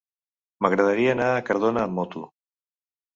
M'agradaria anar a Cardona amb moto.